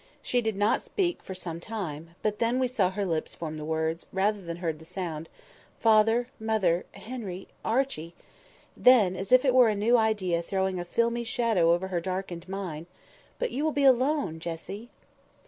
She did not speak for some time, but then we saw her lips form the words, rather than heard the sound—"Father, mother, Harry, Archy;"—then, as if it were a new idea throwing a filmy shadow over her darkened mind—"But you will be alone, Jessie!"